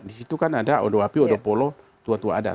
disitu kan ada odoapi odo polo tua tua adat